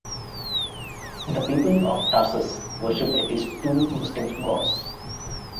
The people of Tarsus worshipped at least two distinct gods.